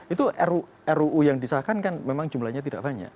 itu ruu yang disahkan kan memang jumlahnya tidak banyak